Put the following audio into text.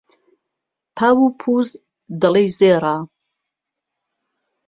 پاو و پووز، دەڵێی زێڕە